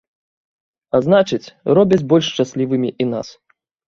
А значыць, зробяць больш шчаслівымі і нас.